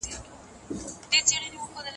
شکر وباسئ چې لږ تر لږه دا شین پټی خو مو لاره.